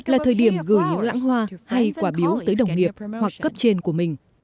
là thời điểm gửi những lãng hoa hay quả biếu tới đồng nghiệp hoặc cấp trên của mình